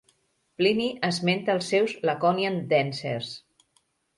Plini esmenta els seus "Laconian Dancers".